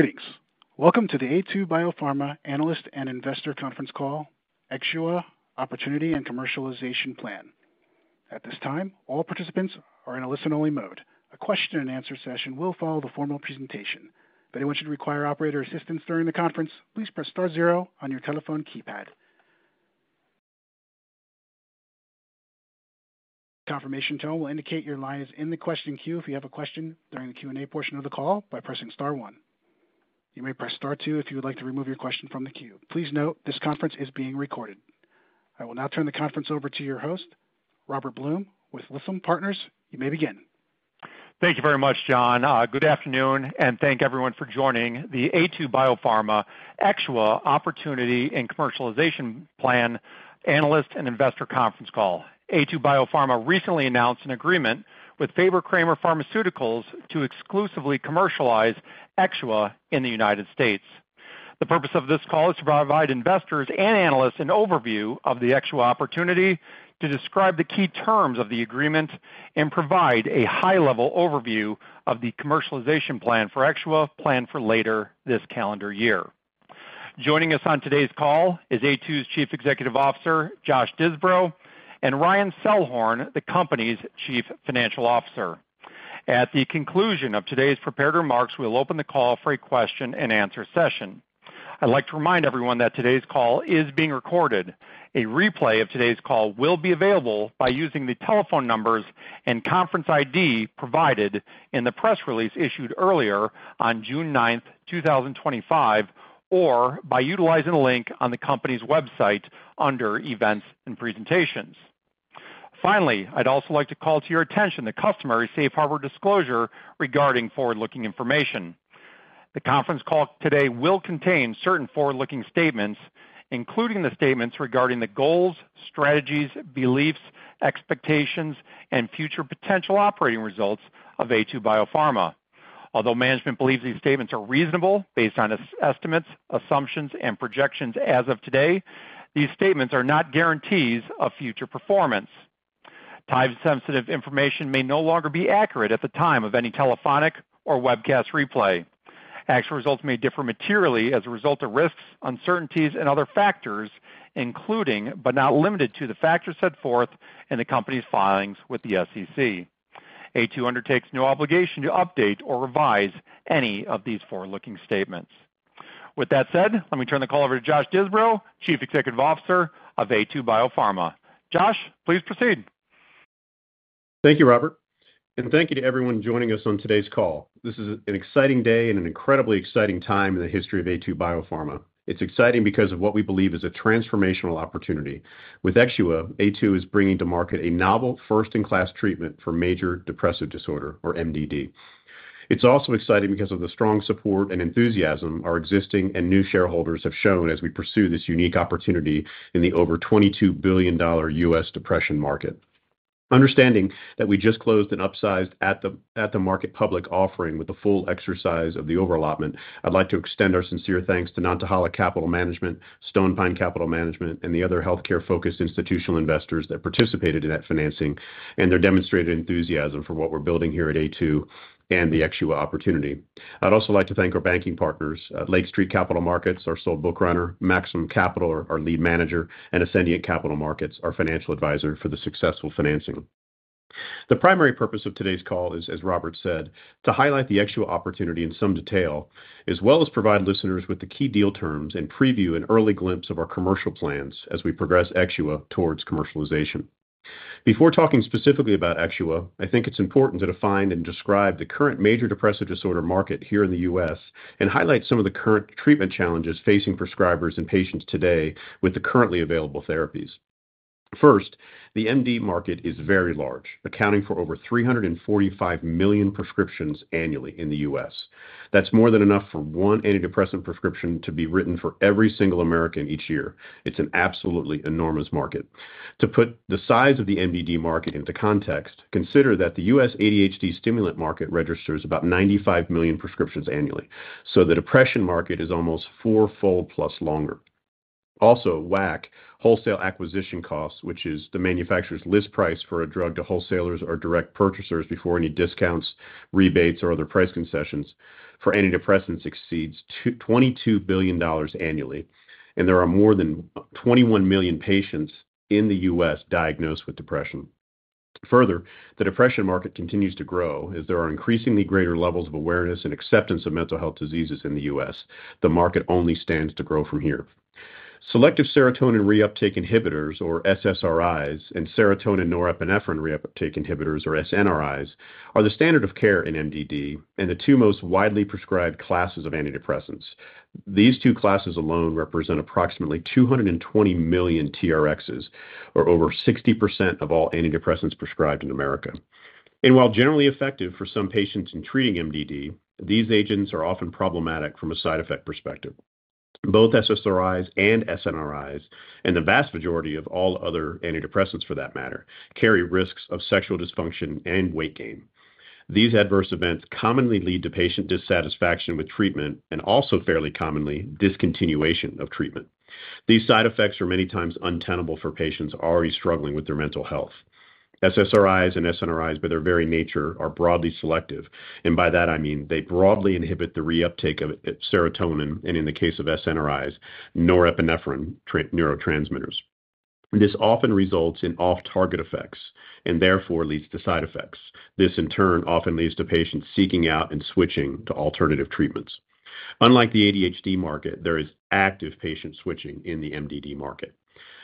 Greetings. Welcome to the Aytu BioPharma Analyst and Investor conference call EXXUA Opportunity and Commercialization Plan. At this time, all participants are in a listen-only mode. A question-and-answer session will follow the formal presentation. If anyone should require operator assistance during the conference, please press star zero on your telephone keypad. The confirmation tone will indicate your line is in the question queue if you have a question during the Q&A portion of the call by pressing star one. You may press star two if you would like to remove your question from the queue. Please note this conference is being recorded. I will now turn the conference over to your host, Robert Blum, with Lytham Partners. You may begin. Thank you very much, John. Good afternoon, and thank everyone for joining the Aytu BioPharma EXXUA Opportunity and Commercialization Plan Analyst and Investor conference call. Aytu BioPharma recently announced an agreement with Fabre-Kramer Pharmaceuticals to exclusively commercialize EXXUA in the United States. The purpose of this call is to provide investors and analysts an overview of the EXXUA opportunity, to describe the key terms of the agreement, and provide a high-level overview of the commercialization plan for EXXUA planned for later this calendar year. Joining us on today's call is Aytu's Chief Executive Officer, Josh Disbrow, and Ryan Selhorn, the company's Chief Financial Officer. At the conclusion of today's prepared remarks, we'll open the call for a question-and-answer session. I'd like to remind everyone that today's call is being recorded. A replay of today's call will be available by using the telephone numbers and conference ID provided in the press release issued earlier on June 9th, 2025, or by utilizing the link on the Company's website under Events and Presentations. Finally, I'd also like to call to your attention the customary safe harbor disclosure regarding forward-looking information. The conference call today will contain certain forward-looking statements, including the statements regarding the goals, strategies, beliefs, expectations, and future potential operating results of Aytu BioPharma. Although Management believes these statements are reasonable based on estimates, assumptions, and projections as of today, these statements are not guarantees of future performance. Time-sensitive information may no longer be accurate at the time of any telephonic or webcast replay. Actual results may differ materially as a result of risks, uncertainties, and other factors, including but not limited to the factors set forth in the company's filings with the SEC. Aytu undertakes no obligation to update or revise any of these forward-looking statements. With that said, let me turn the call over to Josh Disbrow, Chief Executive Officer of Aytu BioPharma. Josh, please proceed. Thank you, Robert, and thank you to everyone joining us on today's call. This is an exciting day and an incredibly exciting time in the history of Aytu BioPharma. It's exciting because of what we believe is a transformational opportunity. With EXXUA, Aytu is bringing to market a novel first-in-class treatment for Major Depressive Disorder, or MDD. It's also exciting because of the strong support and enthusiasm our existing and new shareholders have shown as we pursue this unique opportunity in the over $22 billion U.S. depression market. Understanding that we just closed an upsized at-the-market public offering with the full exercise of the overallotment, I'd like to extend our sincere thanks to Stone Pine Capital Management and the other healthcare-focused institutional investors that participated in that financing and their demonstrated enthusiasm for what we're building here at Aytu and the EXXUA opportunity. I'd also like to thank our banking partners, Lake Street Capital Markets, our Sole Book Runner, Maxim Group, our Lead Manager, and Ascendiant Capital Markets, our Financial Advisor for the successful financing. The primary purpose of today's call is, as Robert said, to highlight the EXXUA opportunity in some detail, as well as provide listeners with the key deal terms and preview an early glimpse of our Commercial plans as we progress EXXUA towards commercialization. Before talking specifically about EXXUA, I think it's important to define and describe the current Major Depressive Disorder market here in the U.S. and highlight some of the current treatment challenges facing prescribers and patients today with the currently available therapies. First, the MDD market is very large, accounting for over 345 million prescriptions annually in the U.S. That's more than enough for one antidepressant prescription to be written for every single American each year. It's an absolutely enormous market. To put the size of the MDD market into context, consider that the U.S. ADHD stimulant market registers about 95 million prescriptions annually, so the depression market is almost four-fold plus larger. Also, WAC, wholesale acquisition costs, which is the manufacturer's list price for a drug to wholesalers or direct purchasers before any discounts, rebates, or other price concessions for antidepressants, exceeds $22 billion annually, and there are more than 21 million patients in the U.S. diagnosed with depression. Further, the depression market continues to grow as there are increasingly greater levels of awareness and acceptance of mental health diseases in the U.S. The market only stands to grow from here. Selective Serotonin Reuptake Inhibitors, or SSRIs, and Serotonin Norepinephrine Reuptake Inhibitors, or SNRIs, are the standard of care in MDD and the two most widely prescribed classes of antidepressants. These two classes alone represent approximately 220 million TRXs, or over 60% of all antidepressants prescribed in America. While generally effective for some patients in treating MDD, these agents are often problematic from a side effect perspective. Both SSRIs and SNRIs, and the vast majority of all other antidepressants for that matter, carry risks of sexual dysfunction and weight gain. These adverse events commonly lead to patient dissatisfaction with treatment and also, fairly commonly, discontinuation of treatment. These side effects are many times untenable for patients already struggling with their mental health. SSRIs and SNRIs, by their very nature, are broadly selective, and by that I mean they broadly inhibit the reuptake of serotonin and, in the case of SNRIs, norepinephrine neurotransmitters. This often results in off-target effects and therefore leads to side effects. This, in turn, often leads to patients seeking out and switching to alternative treatments. Unlike the ADHD market, there is active patient switching in the MDD market.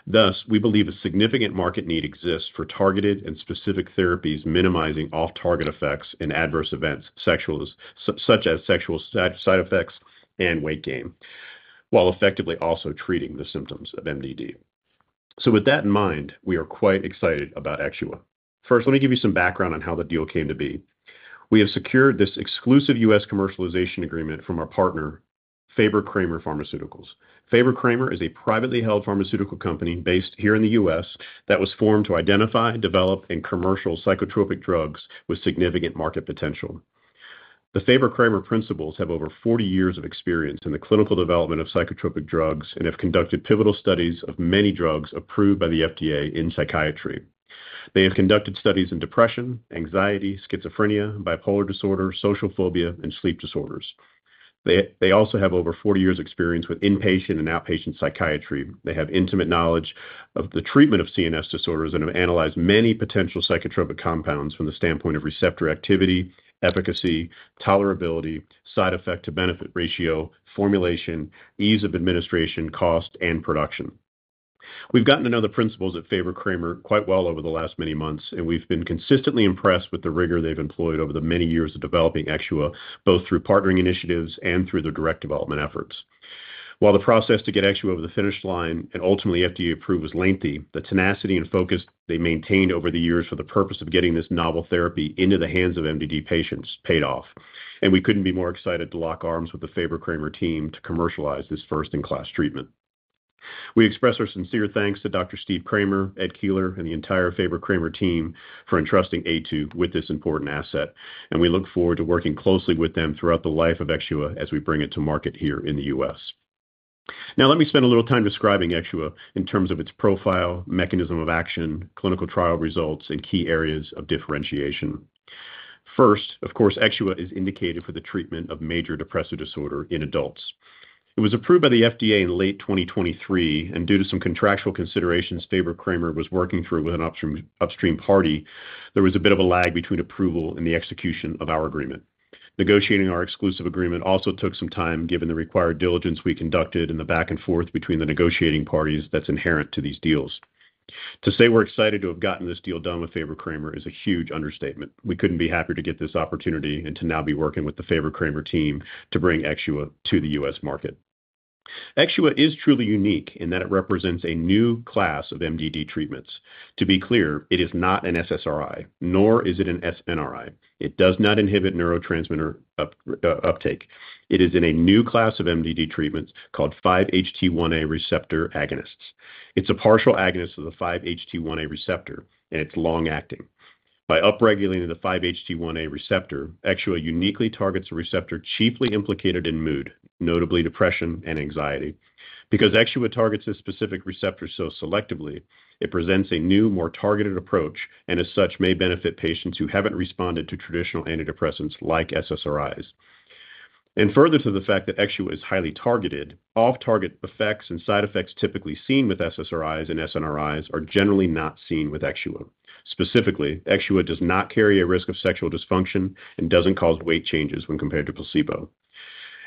Thus, we believe a significant market need exists for targeted and specific therapies minimizing off-target effects and adverse events such as sexual side effects and weight gain while effectively also treating the symptoms of MDD. With that in mind, we are quite excited about EXXUA. First, let me give you some background on how the deal came to be. We have secured this exclusive U.S. commercialization agreement from our partner, Fabre-Kramer Pharmaceuticals. Fabre-Kramer is a privately held pharmaceutical company-based here in the U.S. that was formed to identify, develop, and commercialize psychotropic drugs with significant market potential. The Fabre-Kramer principals have over 40 years of experience in the clinical development of psychotropic drugs and have conducted pivotal studies of many drugs approved by the FDA in psychiatry. They have conducted studies in depression, anxiety, schizophrenia, bipolar disorder, social phobia, and sleep disorders. They also have over 40 years of experience with inpatient and outpatient psychiatry. They have intimate knowledge of the treatment of CNS disorders and have analyzed many potential psychotropic compounds from the standpoint of receptor activity, efficacy, tolerability, side effect-to-benefit ratio, formulation, ease of administration, cost, and production. We've gotten to know the principals at Fabre-Kramer quite well over the last many months, and we've been consistently impressed with the rigor they've employed over the many years of developing EXXUA, both through partnering initiatives and through their direct development efforts. While the process to get EXXUA over the finish line and ultimately FDA-approved was lengthy, the tenacity and focus they maintained over the years for the purpose of getting this novel therapy into the hands of MDD patients paid off, and we could not be more excited to lock arms with the Fabre-Kramer team to commercialize this first-in-class treatment. We express our sincere thanks to Dr. Steve Kramer, Ed Koehler, and the entire Fabre-Kramer team for entrusting Aytu with this important asset, and we look forward to working closely with them throughout the life of EXXUA as we bring it to market here in the U.S. Now, let me spend a little time describing EXXUA in terms of its profile, mechanism of action, clinical trial results, and key areas of differentiation. First, of course, EXXUA is indicated for the treatment of Major Depressive Disorder in adults. It was approved by the FDA in late 2023, and due to some contractual considerations Fabre-Kramer was working through with an upstream party, there was a bit of a lag between approval and the execution of our agreement. Negotiating our exclusive agreement also took some time given the required diligence we conducted and the back and forth between the negotiating parties that's inherent to these deals. To say we're excited to have gotten this deal done with Fabre-Kramer is a huge understatement. We couldn't be happier to get this opportunity and to now be working with the Fabre-Kramer team to bring EXXUA to the U.S. market. EXXUA is truly unique in that it represents a new class of MDD treatments. To be clear, it is not an SSRI, nor is it an SNRI. It does not inhibit neurotransmitter uptake. It is in a new class of MDD treatments called 5-HT1A receptor agonists. It's a partial agonist of the 5-HT1A receptor, and it's long-acting. By upregulating the 5-HT1A receptor, EXXUA uniquely targets a receptor chiefly implicated in mood, notably depression and anxiety. Because EXXUA targets this specific receptor so selectively, it presents a new, more targeted approach and, as such, may benefit patients who haven't responded to traditional antidepressants like SSRIs. Further to the fact that EXXUA is highly targeted, off-target effects and side effects typically seen with SSRIs and SNRIs are generally not seen with EXXUA. Specifically, EXXUA does not carry a risk of sexual dysfunction and doesn't cause weight changes when compared to placebo.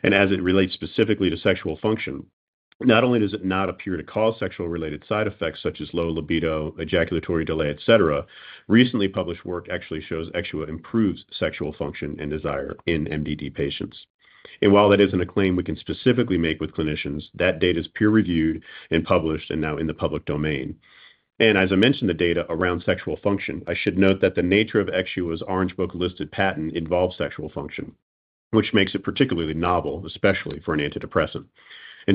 As it relates specifically to sexual function, not only does it not appear to cause sexual-related side effects such as low libido, ejaculatory delay, etc., recently published work actually shows EXXUA improves sexual function and desire in MDD patients. While that is not a claim we can specifically make with clinicians, that data is peer-reviewed and published and now in the public domain. As I mentioned the data around sexual function, I should note that the nature of EXXUA's Orange Book-listed patent involves sexual function, which makes it particularly novel, especially for an antidepressant.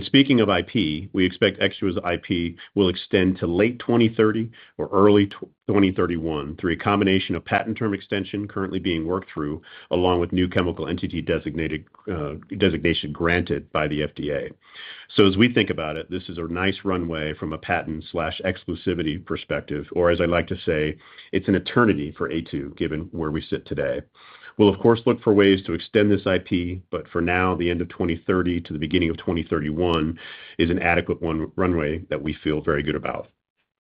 Speaking of IP, we expect EXXUA's IP will extend to late 2030 or early 2031 through a combination of patent term extension currently being worked through along with new chemical entity designation granted by the FDA. As we think about it, this is a nice runway from a patent/exclusivity perspective, or as I like to say, it's an eternity for Aytu given where we sit today. We'll, of course, look for ways to extend this IP, but for now, the end of 2030 to the beginning of 2031 is an adequate runway that we feel very good about.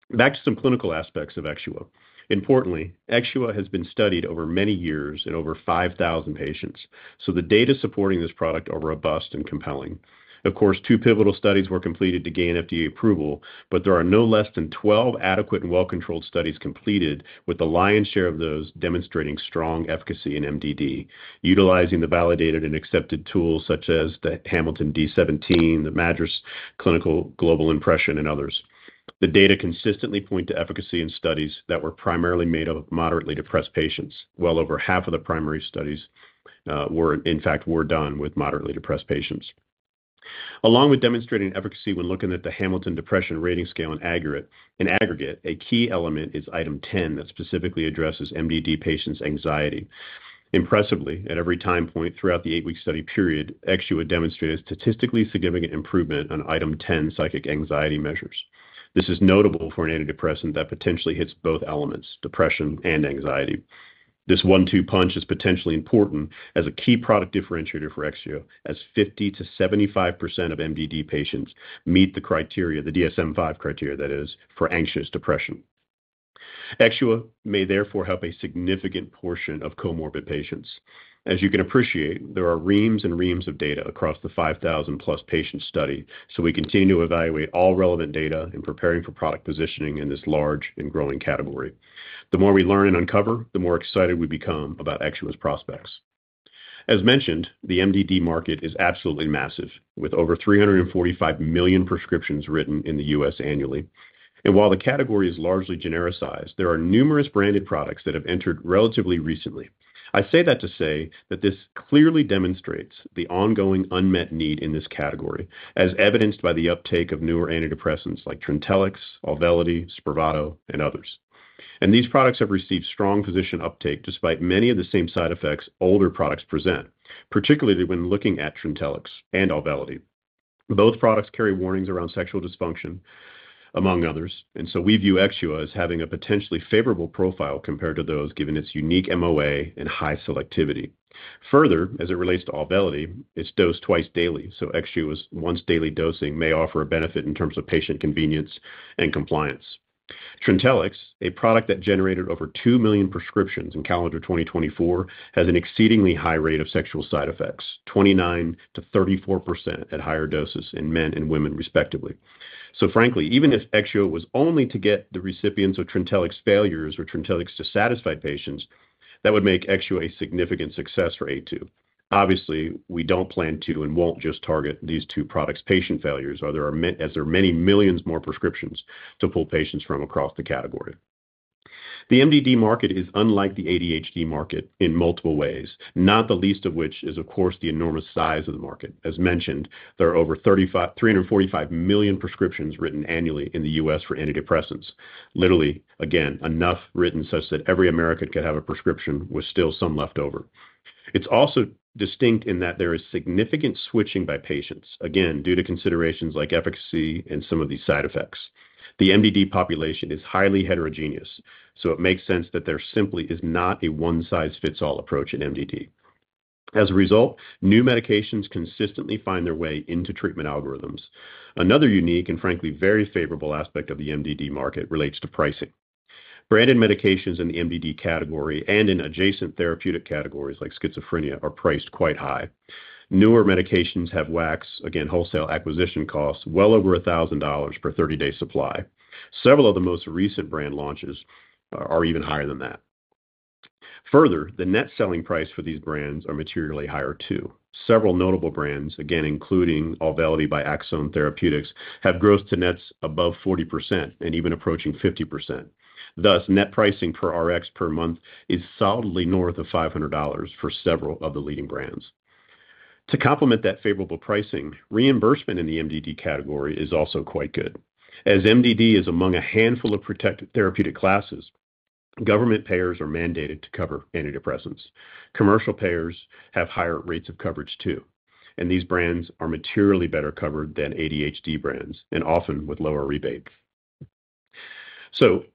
Back to some clinical aspects of EXXUA. Importantly, EXXUA has been studied over many years in over 5,000 patients, so the data supporting this product are robust and compelling. Of course, two pivotal studies were completed to gain FDA approval, but there are no less than 12 adequate and well-controlled studies completed, with the lion's share of those demonstrating strong efficacy in MDD, utilizing the validated and accepted tools such as the Hamilton D17, the MADRS, Clinical Global Impression, and others. The data consistently point to efficacy in studies that were primarily made of moderately depressed patients. Well over half of the primary studies were, in fact, done with moderately depressed patients. Along with demonstrating efficacy when looking at the Hamilton Depression Rating Scale in aggregate, a key element is item 10 that specifically addresses MDD patients' anxiety. Impressively, at every time point throughout the eight-week study period, EXXUA demonstrated statistically significant improvement on item 10 psychic anxiety measures. This is notable for an antidepressant that potentially hits both elements, depression and anxiety. This one-two punch is potentially important as a key product differentiator for EXXUA, as 50%-75% of MDD patients meet the criteria, the DSM-5 criteria that is, for anxious depression. EXXUA may therefore help a significant portion of comorbid patients. As you can appreciate, there are reams and reams of data across the 5,000+ patient study, so we continue to evaluate all relevant data in preparing for product positioning in this large and growing category. The more we learn and uncover, the more excited we become about EXXUA's prospects. As mentioned, the MDD market is absolutely massive, with over 345 million prescriptions written in the U.S. annually. While the category is largely genericized, there are numerous branded products that have entered relatively recently. I say that to say that this clearly demonstrates the ongoing unmet need in this category, as evidenced by the uptake of newer antidepressants like TRINTELLIX, AUVELITY, SPRAVATO, and others. These products have received strong physician uptake despite many of the same side effects older products present, particularly when looking at TRINTELLIX and AUVELITY. Both products carry warnings around sexual dysfunction, among others, and so we view EXXUA as having a potentially favorable profile compared to those given its unique MOA and high selectivity. Further, as it relates to AUVELITY, it is dosed twice daily, so EXXUA's once-daily dosing may offer a benefit in terms of patient convenience and compliance. TRINTELLIX, a product that generated over 2 million prescriptions in calendar 2024, has an exceedingly high rate of sexual side effects, 29%-34% at higher doses in men and women, respectively. Frankly, even if EXXUA was only to get the recipients of TRINTELLIX failures or TRINTELLIX dissatisfied patients, that would make EXXUA a significant success for Aytu. Obviously, we do not plan to and will not just target these two products' patient failures, as there are many millions more prescriptions to pull patients from across the category. The MDD market is unlike the ADHD market in multiple ways, not the least of which is, of course, the enormous size of the market. As mentioned, there are over 345 million prescriptions written annually in the U.S. for antidepressants. Literally, again, enough written such that every American could have a prescription with still some left over. It's also distinct in that there is significant switching by patients, again, due to considerations like efficacy and some of these side effects. The MDD population is highly heterogeneous, so it makes sense that there simply is not a one-size-fits-all approach in MDD. As a result, new medications consistently find their way into treatment algorithms. Another unique and frankly very favorable aspect of the MDD market relates to pricing. Branded medications in the MDD category and in adjacent therapeutic categories like schizophrenia are priced quite high. Newer medications have, again, wholesale acquisition costs well over $1,000 per 30-day supply. Several of the most recent brand launches are even higher than that. Further, the net selling price for these brands is materially higher too. Several notable brands, again, including AUVELITY by Axsome Therapeutics, have gross to nets above 40% and even approaching 50%. Thus, net pricing per R per month is solidly north of $500 for several of the leading brands. To complement that favorable pricing, reimbursement in the MDD category is also quite good. As MDD is among a handful of protected therapeutic classes, government payers are mandated to cover antidepressants. Commercial payers have higher rates of coverage too, and these brands are materially better covered than ADHD brands and often with lower rebates.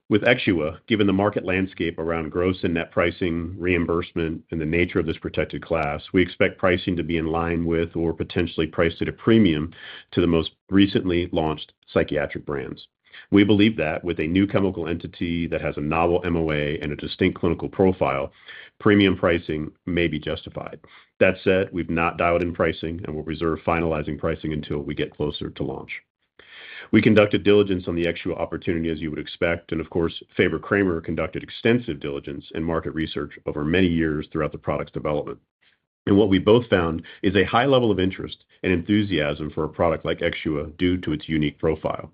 With EXXUA, given the market landscape around gross and net pricing, reimbursement, and the nature of this protected class, we expect pricing to be in line with or potentially priced at a premium to the most recently launched psychiatric brands. We believe that with a new chemical entity that has a novel MOA and a distinct clinical profile, premium pricing may be justified. That said, we've not dialed in pricing and will reserve finalizing pricing until we get closer to launch. We conducted diligence on the EXXUA opportunity as you would expect, and of course, Fabre-Kramer conducted extensive diligence and market research over many years throughout the product's development. What we both found is a high level of interest and enthusiasm for a product like EXXUA due to its unique profile.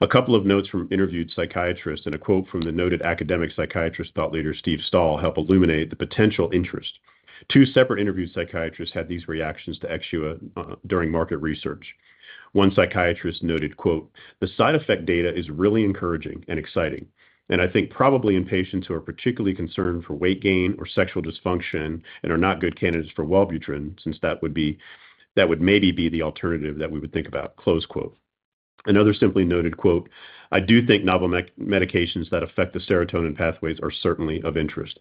A couple of notes from interviewed psychiatrists and a quote from the noted academic psychiatrist thought leader Steve Stahl help illuminate the potential interest. Two separate interviewed psychiatrists had these reactions to EXXUA during market research. One psychiatrist noted, "The side effect data is really encouraging and exciting, and I think probably in patients who are particularly concerned for weight gain or sexual dysfunction and are not good candidates for Wellbutrin since that would maybe be the alternative that we would think about." Another simply noted, "I do think novel medications that affect the serotonin pathways are certainly of interest."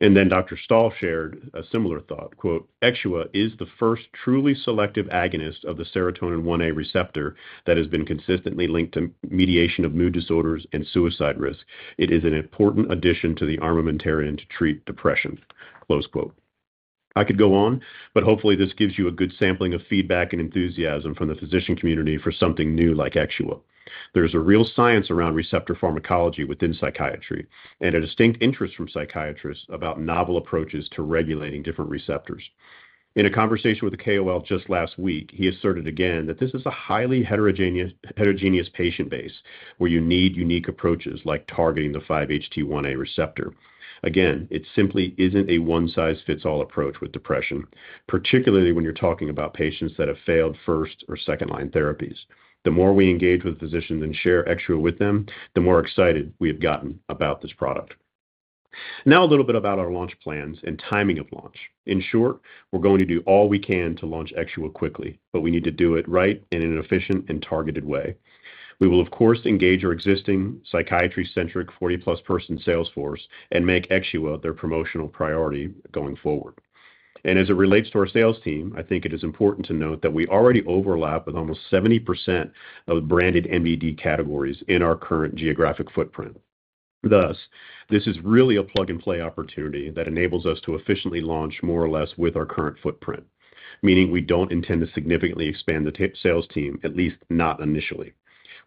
Dr. Stahl shared a similar thought, "EXXUA is the first truly selective agonist of the serotonin 1A receptor that has been consistently linked to mediation of mood disorders and suicide risk. It is an important addition to the armamentarium to treat depression. I could go on, but hopefully this gives you a good sampling of feedback and enthusiasm from the physician community for something new like EXXUA. There is a real science around receptor pharmacology within psychiatry and a distinct interest from psychiatrists about novel approaches to regulating different receptors. In a conversation with the KOL just last week, he asserted again that this is a highly heterogeneous patient base where you need unique approaches like targeting the 5-HT1A receptor. Again, it simply is not a one-size-fits-all approach with depression, particularly when you are talking about patients that have failed first or second-line therapies. The more we engage with physicians and share EXXUA with them, the more excited we have gotten about this product. Now a little bit about our launch plans and timing of launch. In short, we're going to do all we can to launch EXXUA quickly, but we need to do it right and in an efficient and targeted way. We will, of course, engage our existing psychiatry-centric 40-plus person salesforce and make EXXUA their promotional priority going forward. As it relates to our sales team, I think it is important to note that we already overlap with almost 70% of branded MDD categories in our current geographic footprint. Thus, this is really a plug-and-play opportunity that enables us to efficiently launch more or less with our current footprint, meaning we do not intend to significantly expand the sales team, at least not initially.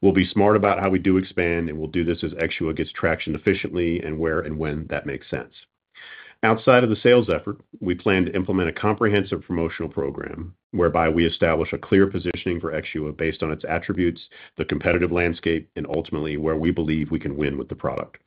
We'll be smart about how we do expand, and we'll do this as EXXUA gets traction efficiently and where and when that makes sense. Outside of the sales effort, we plan to implement a comprehensive promotional program whereby we establish a clear positioning for EXXUA based on its attributes, the competitive landscape, and ultimately where we believe we can win with the product.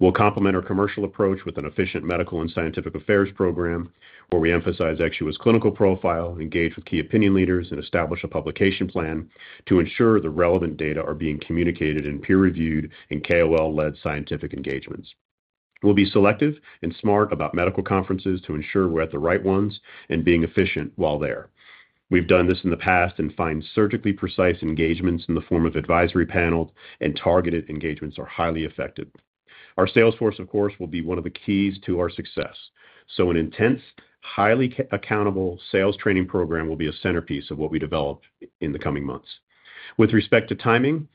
We'll complement our commercial approach with an efficient medical and scientific affairs program where we emphasize EXXUA's clinical profile, engage with key opinion leaders, and establish a publication plan to ensure the relevant data are being communicated and peer-reviewed in KOL-led scientific engagements. We'll be selective and smart about medical conferences to ensure we're at the right ones and being efficient while there. We've done this in the past and find surgically precise engagements in the form of advisory panels, and targeted engagements are highly effective. Our salesforce, of course, will be one of the keys to our success. An intense, highly accountable sales training program will be a centerpiece of what we develop in the coming months. With respect to timing,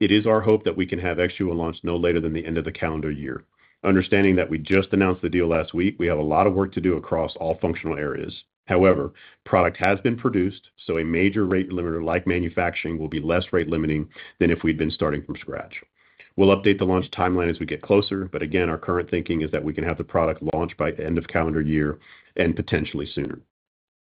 it is our hope that we can have EXXUA launch no later than the end of the calendar year. Understanding that we just announced the deal last week, we have a lot of work to do across all functional areas. However, product has been produced, so a major rate limiter like manufacturing will be less rate limiting than if we'd been starting from scratch. We'll update the launch timeline as we get closer, but again, our current thinking is that we can have the product launch by the end of calendar year and potentially sooner.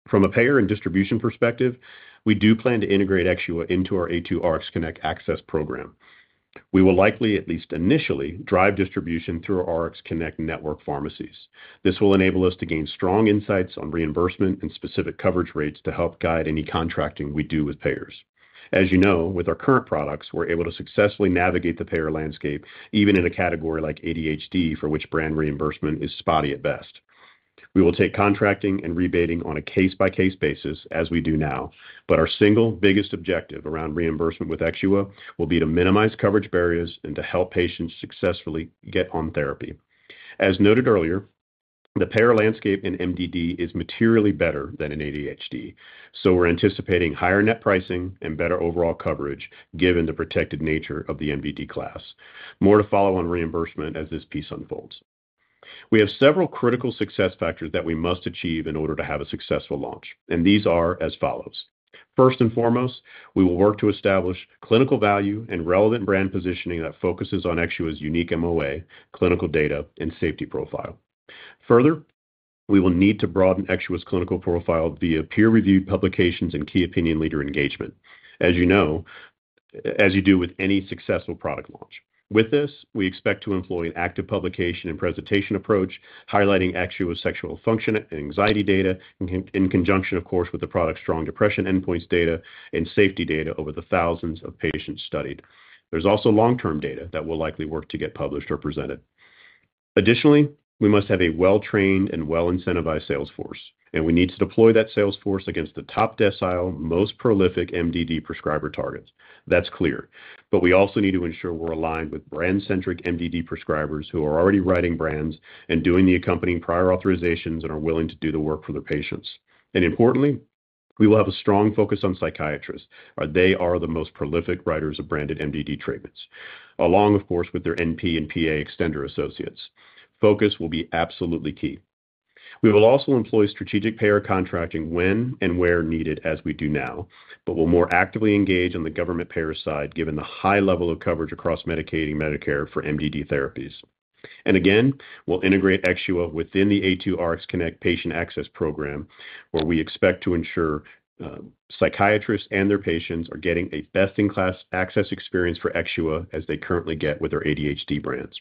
From a payer and distribution perspective, we do plan to integrate EXXUA into our Aytu RxConnect access program. We will likely, at least initially, drive distribution through our RxConnect network pharmacies. This will enable us to gain strong insights on reimbursement and specific coverage rates to help guide any contracting we do with payers. As you know, with our current products, we're able to successfully navigate the payer landscape even in a category like ADHD for which brand reimbursement is spotty at best. We will take contracting and rebating on a case-by-case basis as we do now, but our single biggest objective around reimbursement with EXXUA will be to minimize coverage barriers and to help patients successfully get on therapy. As noted earlier, the payer landscape in MDD is materially better than in ADHD, so we're anticipating higher net pricing and better overall coverage given the protected nature of the MDD class. More to follow on reimbursement as this piece unfolds. We have several critical success factors that we must achieve in order to have a successful launch, and these are as follows. First and foremost, we will work to establish clinical value and relevant brand positioning that focuses on EXXUA's unique MOA, clinical data, and safety profile. Further, we will need to broaden EXXUA's clinical profile via peer-reviewed publications and key opinion leader engagement, as you do with any successful product launch. With this, we expect to employ an active publication and presentation approach highlighting EXXUA's sexual function and anxiety data in conjunction, of course, with the product's strong depression endpoints data and safety data over the thousands of patients studied. There is also long-term data that we will likely work to get published or presented. Additionally, we must have a well-trained and well-incentivized salesforce, and we need to deploy that salesforce against the top decile, most prolific MDD prescriber targets. That's clear, but we also need to ensure we're aligned with brand-centric MDD prescribers who are already writing brands and doing the accompanying prior authorizations and are willing to do the work for their patients. Importantly, we will have a strong focus on psychiatrists, as they are the most prolific writers of branded MDD treatments, along, of course, with their NP and PA extender associates. Focus will be absolutely key. We will also employ strategic payer contracting when and where needed, as we do now, but we'll more actively engage on the government payer side given the high level of coverage across Medicaid and Medicare for MDD therapies. Again, we'll integrate EXXUA within the Aytu RxConnect patient access program where we expect to ensure psychiatrists and their patients are getting a best-in-class access experience for EXXUA as they currently get with their ADHD brands.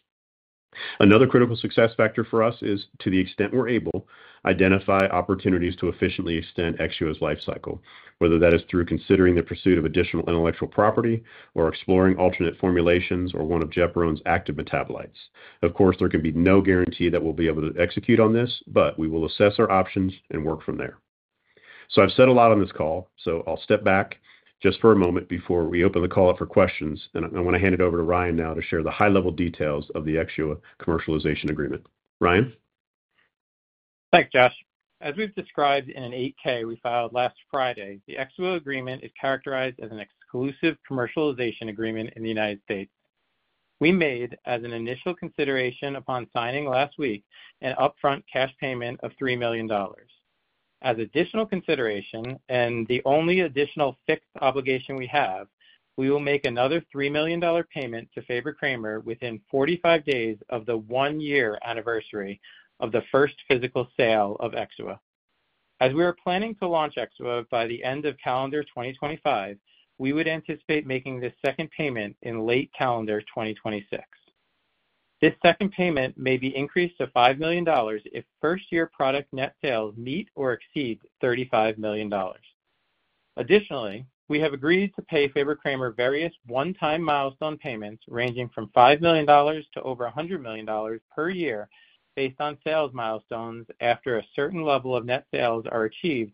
Another critical success factor for us is, to the extent we're able, identify opportunities to efficiently extend EXXUA's lifecycle, whether that is through considering the pursuit of additional intellectual property or exploring alternate formulations or one of Jepron's active metabolites. Of course, there can be no guarantee that we'll be able to execute on this, but we will assess our options and work from there. I've said a lot on this call, so I'll step back just for a moment before we open the call up for questions, and I want to hand it over to Ryan now to share the high-level details of the EXXUA commercialization agreement. Ryan? Thanks, Josh. As we've described in an 8-K we filed last Friday, the EXXUA agreement is characterized as an exclusive commercialization agreement in the United States. We made, as an initial consideration upon signing last week, an upfront cash payment of $3 million. As additional consideration and the only additional fixed obligation we have, we will make another $3 million payment to Fabre-Kramer within 45 days of the one-year anniversary of the first physical sale of EXXUA. As we are planning to launch EXXUA by the end of calendar 2025, we would anticipate making this second payment in late calendar 2026. This second payment may be increased to $5 million if first-year product net sales meet or exceed $35 million. Additionally, we have agreed to pay Fabre-Kramer various one-time milestone payments ranging from $5 million to over $100 million per year based on sales milestones after a certain level of net sales are achieved,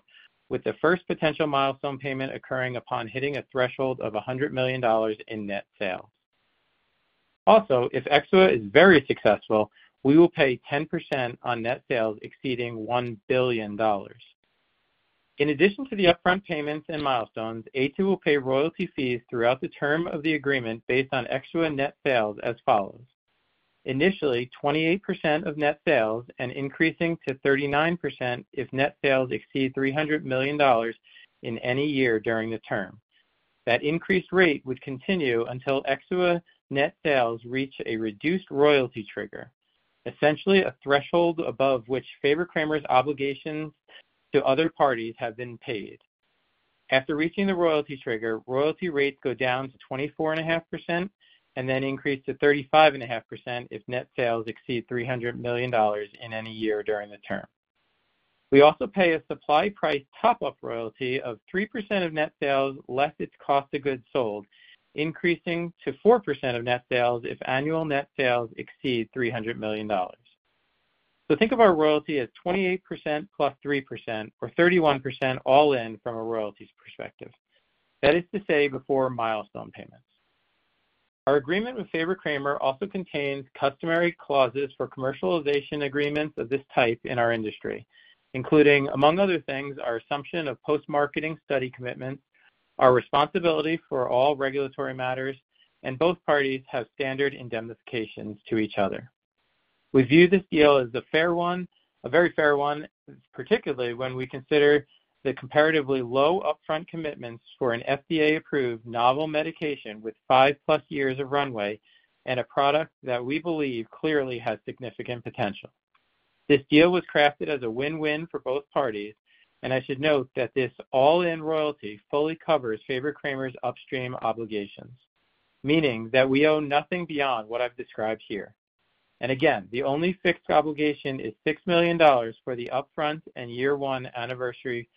with the first potential milestone payment occurring upon hitting a threshold of $100 million in net sales. Also, if EXXUA is very successful, we will pay 10% on net sales exceeding $1 billion. In addition to the upfront payments and milestones, Aytu will pay royalty fees throughout the term of the agreement based on EXXUA net sales as follows. Initially, 28% of net sales and increasing to 39% if net sales exceed $300 million in any year during the term. That increased rate would continue until EXXUA net sales reach a reduced royalty trigger, essentially a threshold above which Fabre-Kramer's obligations to other parties have been paid. After reaching the Royalty Trigger, royalty rates go down to 24.5% and then increase to 35.5% if net sales exceed $300 million in any year during the term. We also pay a supply price top-up royalty of 3% of net sales less its cost of goods sold, increasing to 4% of net sales if annual net sales exceed $300 million. Think of our Royalty as 28% + 3% or 31% all in from a royalty perspective. That is to say before milestone payments. Our agreement with Fabre-Kramer also contains customary clauses for commercialization agreements of this type in our industry, including, among other things, our assumption of post-marketing study commitments, our responsibility for all regulatory matters, and both parties have standard indemnifications to each other. We view this deal as a fair one, a very fair one, particularly when we consider the comparatively low upfront commitments for an FDA-approved novel medication with five-plus years of runway and a product that we believe clearly has significant potential. This deal was crafted as a win-win for both parties, and I should note that this all-in royalty fully covers Fabre-Kramer's upstream obligations, meaning that we owe nothing beyond what I've described here. Again, the only fixed obligation is $6 million for the upfront and year-one anniversary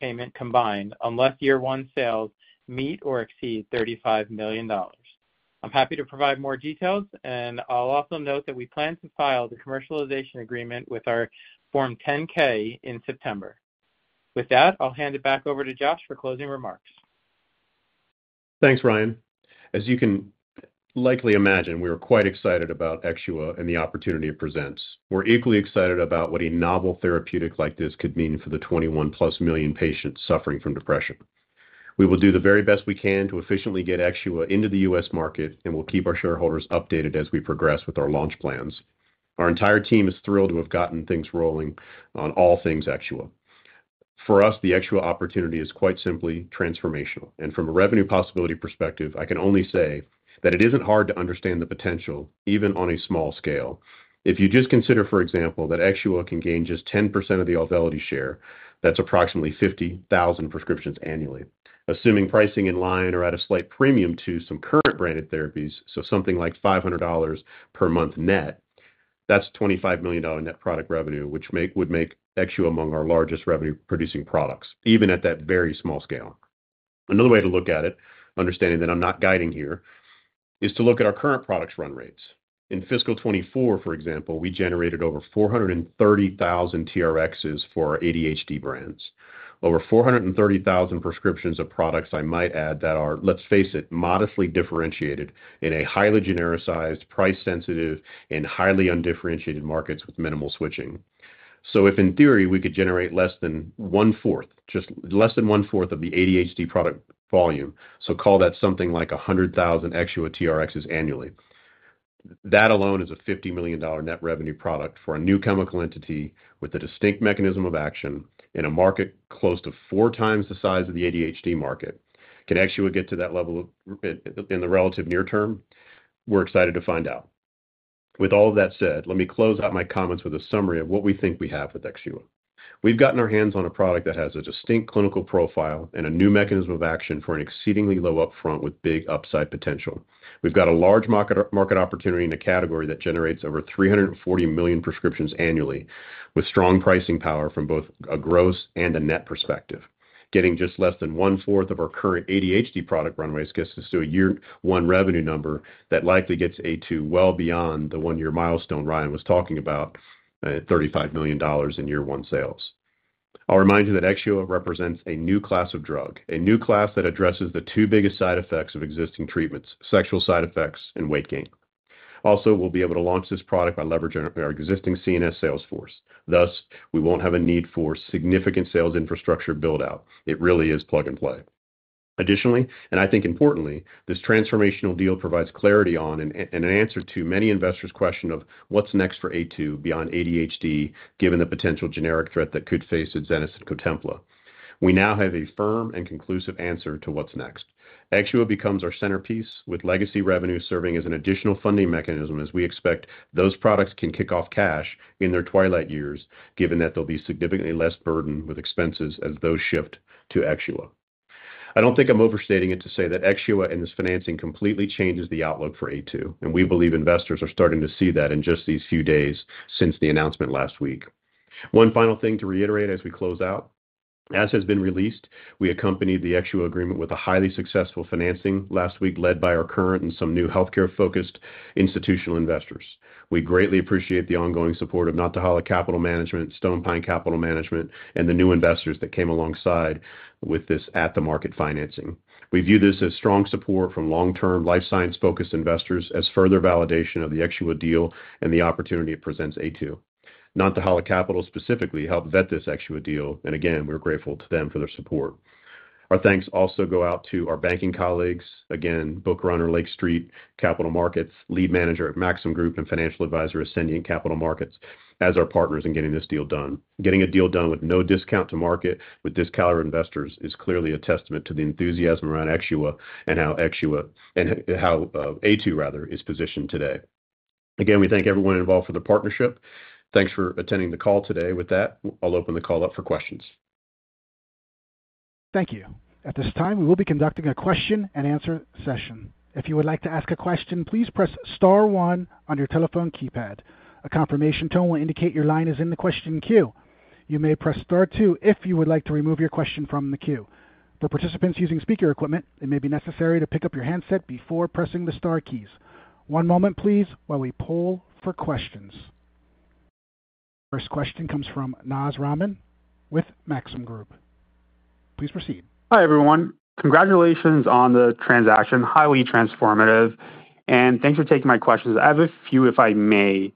payment combined unless year-one sales meet or exceed $35 million. I'm happy to provide more details, and I'll also note that we plan to file the commercialization agreement with our Form 10-K in September. With that, I'll hand it back over to Josh for closing remarks. Thanks, Ryan. As you can likely imagine, we are quite excited about EXXUA and the opportunity it presents. We're equally excited about what a Novel Therapeutic like this could mean for the 21-plus million patients suffering from depression. We will do the very best we can to efficiently get EXXUA into the U.S. market, and we'll keep our shareholders updated as we progress with our launch plans. Our entire team is thrilled to have gotten things rolling on all things EXXUA. For us, the EXXUA opportunity is quite simply transformational. From a revenue possibility perspective, I can only say that it isn't hard to understand the potential, even on a small scale. If you just consider, for example, that EXXUA can gain just 10% of the AUVELITY share, that's approximately 50,000 prescriptions annually. Assuming pricing in line or at a slight premium to some current branded therapies, so something like $500 per month net, that's $25 million net product revenue, which would make EXXUA among our largest revenue-producing products, even at that very small scale. Another way to look at it, understanding that I'm not guiding here, is to look at our current product run rates. In fiscal 2024, for example, we generated over 430,000 TRxs for ADHD brands, over 430,000 prescriptions of products, I might add, that are, let's face it, modestly differentiated in a highly genericized, price-sensitive, and highly undifferentiated market with minimal switching. If in theory we could generate less than one-fourth, just less than one-fourth of the ADHD product volume, so call that something like 100,000 EXXUA TRxs annually, that alone is a $50 million net revenue product for a new chemical entity with a distinct mechanism of action in a market close to 4x the size of the ADHD market. Can EXXUA get to that level in the relative near term? We're excited to find out. With all of that said, let me close out my comments with a summary of what we think we have with EXXUA. We've gotten our hands on a product that has a distinct clinical profile and a new mechanism of action for an exceedingly low upfront with big upside potential. We've got a large market opportunity in a category that generates over 340 million prescriptions annually with strong pricing power from both a gross and a net perspective. Getting just less than one-fourth of our current ADHD product runways gets us to a year-one revenue number that likely gets Aytu well beyond the one-year milestone Ryan was talking about at $35 million in year-one sales. I'll remind you that EXXUA represents a new class of drug, a new class that addresses the two biggest side effects of existing treatments: sexual side effects and weight gain. Also, we'll be able to launch this product by leveraging our existing CNS salesforce. Thus, we won't have a need for significant sales infrastructure build-out. It really is plug and play. Additionally, and I think importantly, this transformational deal provides clarity on and an answer to many investors' question of what's next for Aytu beyond ADHD, given the potential generic threat that could face Exena and COTEMPLA. We now have a firm and conclusive answer to what's next. EXXUA becomes our centerpiece, with legacy revenue serving as an additional funding mechanism as we expect those products can kick off cash in their twilight years, given that there'll be significantly less burden with expenses as those shift to EXXUA. I don't think I'm overstating it to say that EXXUA and this financing completely changes the outlook for Aytu, and we believe investors are starting to see that in just these few days since the announcement last week. One final thing to reiterate as we close out: as has been released, we accompanied the EXXUA agreement with a highly successful financing last week, led by our current and some new healthcare-focused institutional investors. We greatly appreciate the ongoing support of Nautical Capital Management, Stone Pine Capital Management, and the new investors that came alongside with this at-the-market financing. We view this as strong support from long-term life science-focused investors as further validation of the EXXUA deal and the opportunity it presents Aytu. Nautical Capital specifically helped vet this EXXUA deal, and again, we're grateful to them for their support. Our thanks also go out to our Banking colleagues, again, Book Runner Lake Street Capital Markets, Lead Manager at Maxim Group, and Financial Advisor Ascendiant Capital Markets, as our partners in getting this deal done. Getting a deal done with no discount to market with this caliber of investors is clearly a testament to the enthusiasm around EXXUA and how Aytu, rather, is positioned today. Again, we thank everyone involved for the partnership. Thanks for attending the call today. With that, I'll open the call up for questions. Thank you. At this time, we will be conducting a question-and-answer session. If you would like to ask a question, please press star one on your telephone keypad. A confirmation tone will indicate your line is in the question queue. You may press star two if you would like to remove your question from the queue. For participants using speaker equipment, it may be necessary to pick up your handset before pressing the star keys. One moment, please, while we poll for questions. First question comes from Naz Rahman with Maxim Group. Please proceed. Hi everyone. Congratulations on the transaction. Highly transformative. Thanks for taking my questions. I have a few, if I may.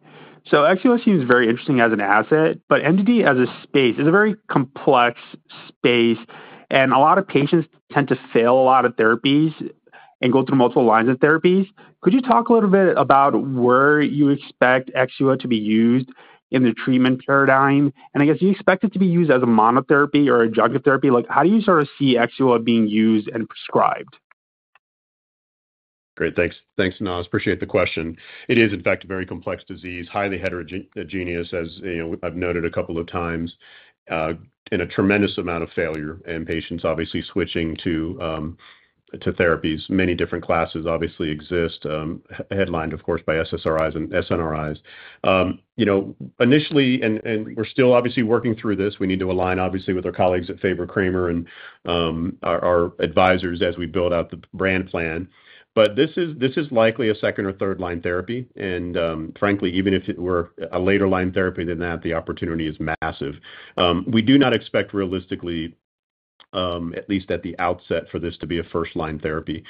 EXXUA seems very interesting as an asset, but MDD as a space is a very complex space, and a lot of patients tend to fail a lot of therapies and go through multiple lines of therapies. Could you talk a little bit about where you expect EXXUA to be used in the treatment paradigm? I guess you expect it to be used as a monotherapy or a drug therapy? How do you sort of see EXXUA being used and prescribed? Great. Thanks, Naz. Appreciate the question. It is, in fact, a very complex disease, highly heterogeneous, as I've noted a couple of times, and a tremendous amount of failure and patients obviously switching to therapies. Many different classes obviously exist, headlined, of course, by SSRIs and SNRIs. Initially, and we're still obviously working through this, we need to align, obviously, with our colleagues at Fabre-Kramer and our advisors as we build out the brand plan. This is likely a second or third-line therapy, and frankly, even if it were a later-line therapy than that, the opportunity is massive. We do not expect, realistically, at least at the outset, for this to be a first-line therapy.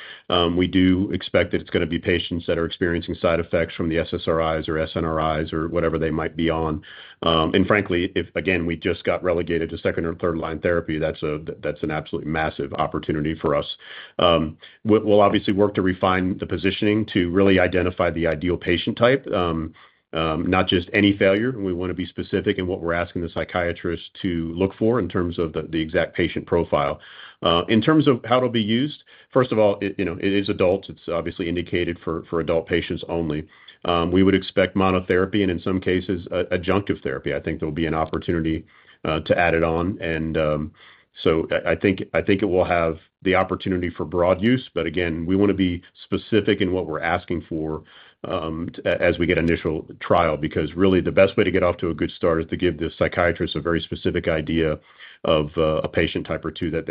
We do expect that it's going to be patients that are experiencing side effects from the SSRIs or SNRIs or whatever they might be on. Frankly, if, again, we just got relegated to second or third-line therapy, that's an absolutely massive opportunity for us. We'll obviously work to refine the positioning to really identify the ideal patient type, not just any failure. We want to be specific in what we're asking the psychiatrist to look for in terms of the exact patient profile. In terms of how it'll be used, first of all, it is adults. It's obviously indicated for adult patients only. We would expect Monotherapy and, in some cases, Adjunctive Therapy. I think there will be an opportunity to add it on. I think it will have the opportunity for broad use, but again, we want to be specific in what we're asking for as we get initial trial because, really, the best way to get off to a good start is to give the psychiatrist a very specific idea of a patient type or two that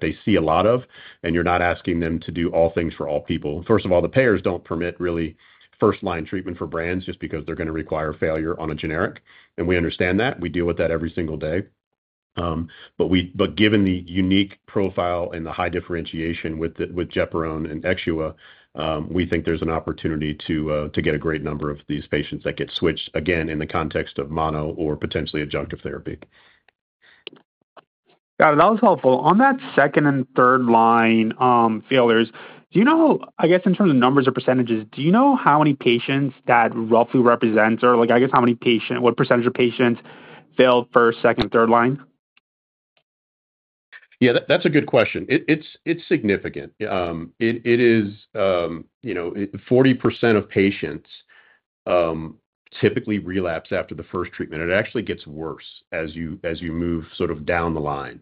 they see a lot of, and you're not asking them to do all things for all people. First of all, the payers do not permit really first-line treatment for brands just because they're going to require failure on a generic, and we understand that. We deal with that every single day. Given the unique profile and the high differentiation with EXXUA, we think there's an opportunity to get a great number of these patients that get switched, again, in the context of Mono or potentially Adjunctive Therapy. That was helpful. On that second and third-line failures, do you know, I guess, in terms of numbers or percentages, do you know how many patients that roughly represents, or I guess how many patients, what percent of patients failed first, second, third line Yeah, that's a good question. It's significant. It is 40% of patients typically relapse after the first treatment. It actually gets worse as you move sort of down the line.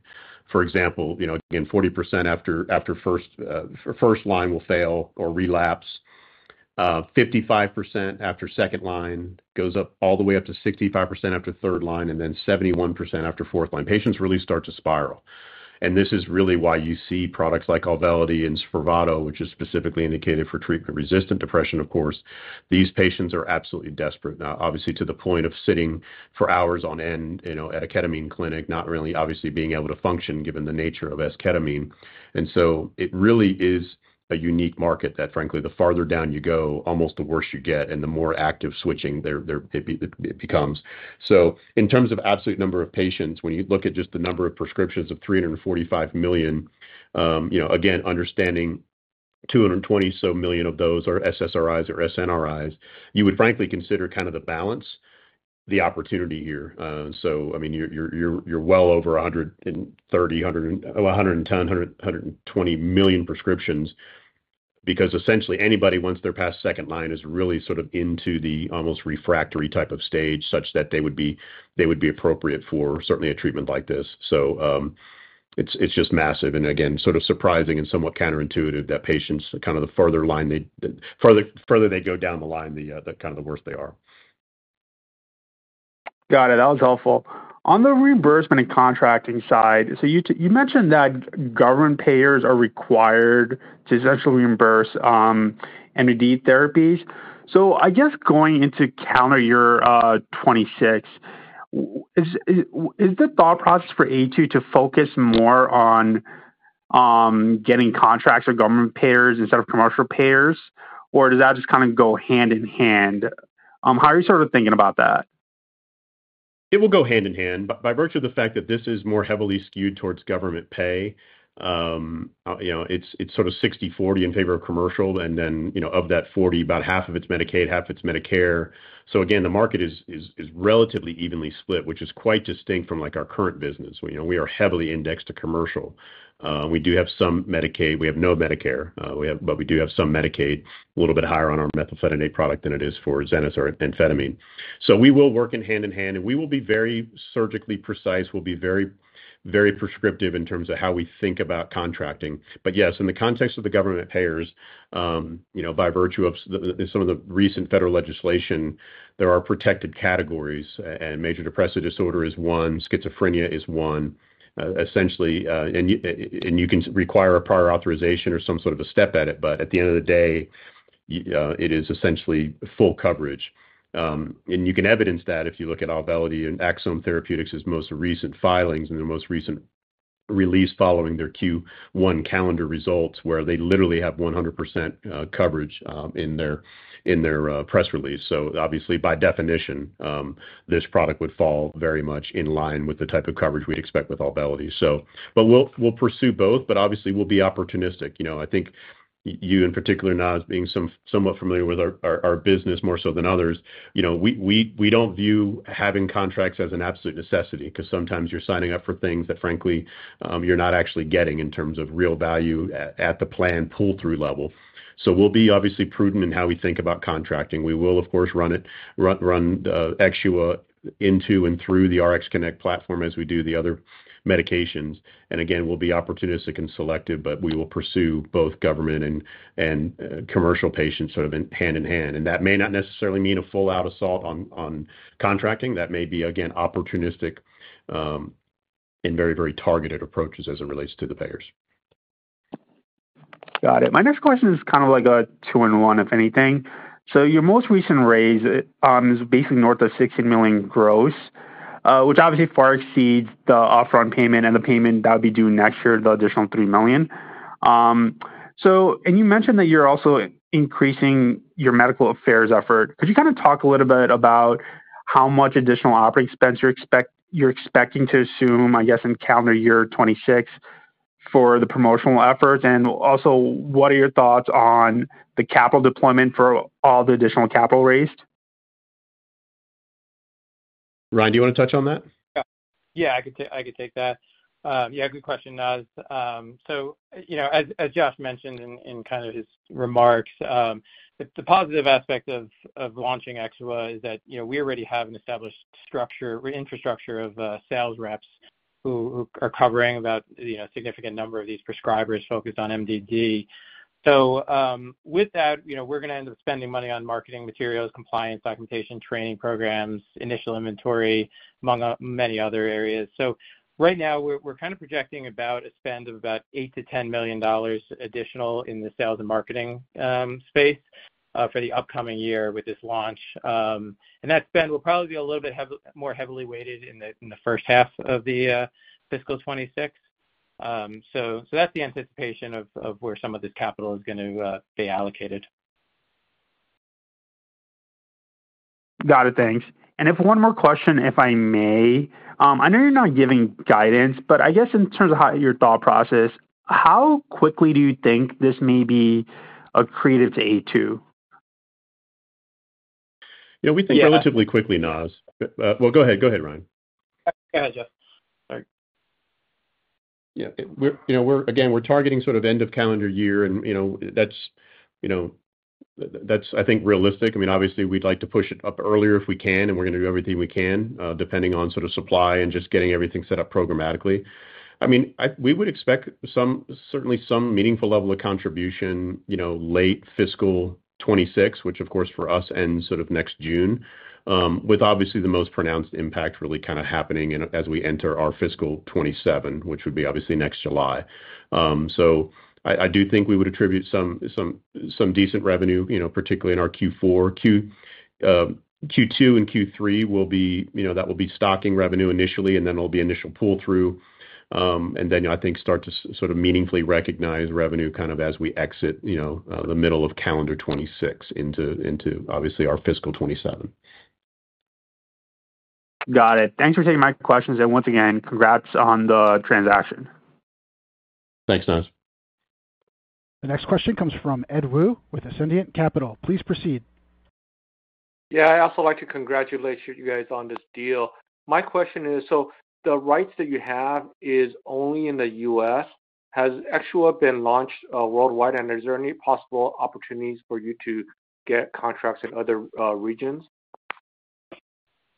For example, again, 40% after first line will fail or relapse. 55% after second line goes up all the way up to 65% after third line, and then 71% after fourth line. Patients really start to spiral. This is really why you see products like AUVELITY and SPRAVATO, which is specifically indicated for treatment-resistant depression, of course. These patients are absolutely desperate, obviously, to the point of sitting for hours on end at a ketamine clinic, not really obviously being able to function given the nature of esketamine. It really is a unique market that, frankly, the farther down you go, almost the worse you get and the more active switching it becomes. In terms of absolute number of patients, when you look at just the number of prescriptions of 345 million, again, understanding 220-so million of those are SSRIs or SNRIs, you would frankly consider kind of the balance the opportunity here. I mean, you're well over 130, 110, 120 million prescriptions because, essentially, anybody once they're past second line is really sort of into the almost refractory type of stage such that they would be appropriate for certainly a treatment like this. It's just massive and, again, sort of surprising and somewhat counterintuitive that patients kind of the further line they further they go down the line, the kind of the worse they are. Got it. That was helpful. On the reimbursement and contracting side, you mentioned that government payers are required to essentially reimburse NAD therapies. I guess going into calendar year 2026, is the thought process for Aytu to focus more on getting contracts for government payers instead of commercial payers, or does that just kind of go hand in hand? How are you sort of thinking about that? It will go hand-in-hand. By virtue of the fact that this is more heavily skewed towards government pay, it's sort of 60/40 in favor of commercial, and then of that 40%, about half of it's Medicaid, half of it's Medicare. Again, the market is relatively evenly split, which is quite distinct from our current business. We are heavily indexed to commercial. We do have some Medicaid. We have no Medicare, but we do have some Medicaid, a little bit higher on our methylphenidate product than it is for Exena or amphetamine. We will work hand in hand, and we will be very surgically precise. We'll be very prescriptive in terms of how we think about contracting. Yes, in the context of the government payers, by virtue of some of the recent federal legislation, there are protected categories, and Major Depressive Disorder is one, schizophrenia is one. Essentially, you can require a prior authorization or some sort of a step edit, but at the end of the day, it is essentially full coverage. You can evidence that if you look at AUVELITY and Axsome Therapeutics' most recent filings and the most recent release following their Q1 calendar results where they literally have 100% coverage in their press release. Obviously, by definition, this product would fall very much in line with the type of coverage we'd expect with AUVELITY. We'll pursue both, but obviously, we'll be opportunistic. I think you in particular, Naz, being somewhat familiar with our business more so than others, we do not view having contracts as an absolute necessity because sometimes you are signing up for things that, frankly, you are not actually getting in terms of real value at the planned pull-through level. We will be obviously prudent in how we think about contracting. We will, of course, run EXXUA into and through the Aytu RxConnect platform as we do the other medications. Again, we will be opportunistic and selective, but we will pursue both government and commercial patients sort of hand-in-hand. That may not necessarily mean a full-out assault on contracting. That may be, again, opportunistic and very, very targeted approaches as it relates to the payers. Got it. My next question is kind of like a two-in-one, if anything. So your most recent raise is basically north of $16 million gross, which obviously far exceeds the upfront payment and the payment that would be due next year, the additional $3 million. You mentioned that you're also increasing your medical affairs effort. Could you kind of talk a little bit about how much additional operating expense you're expecting to assume, I guess, in calendar year 2026 for the promotional efforts? Also, what are your thoughts on the capital deployment for all the additional capital raised? Ryan, do you want to touch on that? Yeah, I could take that. Yeah, good question, Naz. As Josh mentioned in kind of his remarks, the positive aspect of launching EXXUA is that we already have an established structure or infrastructure of sales reps who are covering about a significant number of these prescribers focused on MDD. With that, we're going to end up spending money on marketing materials, compliance documentation, training programs, initial inventory, among many other areas. Right now, we're kind of projecting about a spend of about $8 million-$10 million additional in the sales and marketing space for the upcoming year with this launch. That spend will probably be a little bit more heavily weighted in the first half of the fiscal 2026. That's the anticipation of where some of this capital is going to be allocated. Got it. Thanks. I have one more question, if I may. I know you're not giving guidance, but I guess in terms of your thought process, how quickly do you think this may be accretive to Aytu? We think relatively quickly, Naz. Go ahead. Go ahead, Ryan. Go ahead, Josh. Yeah. Again, we're targeting sort of end of calendar year, and that's, I think, realistic. I mean, obviously, we'd like to push it up earlier if we can, and we're going to do everything we can depending on sort of supply and just getting everything set up programmatically. I mean, we would expect certainly some meaningful level of contribution late fiscal 2026, which, of course, for us, ends sort of next June, with obviously the most pronounced impact really kind of happening as we enter our fiscal 2027, which would be obviously next July. I do think we would attribute some decent revenue, particularly in our Q4. Q2 and Q3 will be stocking revenue initially, and then there'll be initial pull-through, and then I think start to sort of meaningfully recognize revenue kind of as we exit the middle of calendar 2026 into, obviously, our fiscal 2027. Got it. Thanks for taking my questions. Once again, congrats on the transaction. Thanks, Naz. The next question comes from Ed Woo with Ascendiant Capital. Please proceed. Yeah. I also like to congratulate you guys on this deal. My question is, so the rights that you have is only in the U.S. Has EXXUA been launched worldwide, and is there any possible opportunities for you to get contracts in other regions?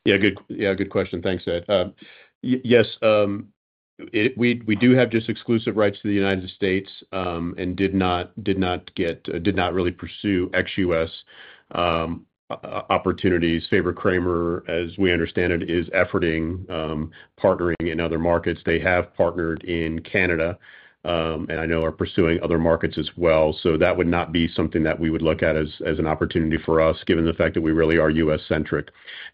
Yeah. Good question. Thanks, Ed. Yes. We do have just exclusive rights to the United States and did not really pursue EXXUA's opportunities. Fabre-Kramer, as we understand it, is efforting partnering in other markets. They have partnered in Canada and I know are pursuing other markets as well. That would not be something that we would look at as an opportunity for us, given the fact that we really are U.S.-centric.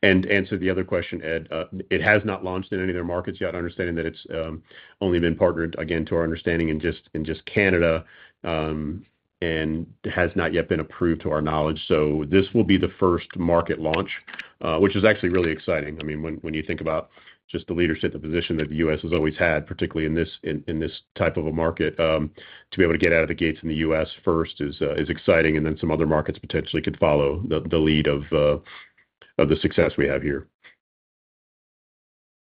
To answer the other question, Ed, it has not launched in any of their markets yet, understanding that it has only been partnered, again, to our understanding, in just Canada and has not yet been approved to our knowledge. This will be the first market launch, which is actually really exciting. I mean, when you think about just the leadership, the position that the U.S. has always had, particularly in this type of a market, to be able to get out of the gates in the U.S. first is exciting, and then some other markets potentially could follow the lead of the success we have here.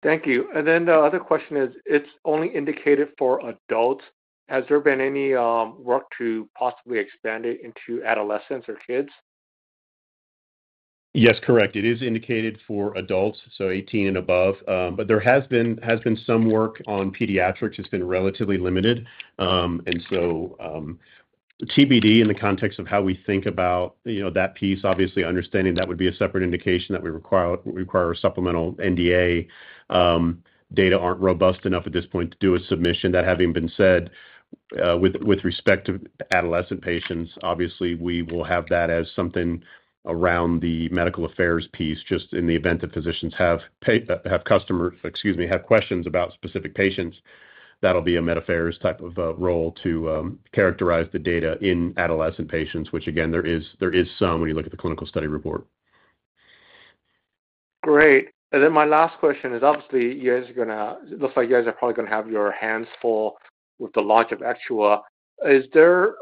Thank you. The other question is, it's only indicated for adults. Has there been any work to possibly expand it into adolescents or kids? Yes, correct. It is indicated for adults, so 18 and above. There has been some work on pediatrics. It's been relatively limited. TBD in the context of how we think about that piece. Obviously, understanding that would be a separate indication that would require a supplemental NDA. Data aren't robust enough at this point to do a submission. That having been said, with respect to adolescent patients, obviously, we will have that as something around the medical affairs piece just in the event that physicians have—excuse me—have questions about specific patients. That'll be a med affairs type of role to characterize the data in adolescent patients, which, again, there is some when you look at the clinical study report. Great. Then my last question is, obviously, you guys are going to—it looks like you guys are probably going to have your hands full with the launch of EXXUA. Is there